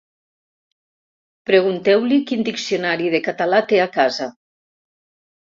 Pregunteu-li quin diccionari de català té a casa.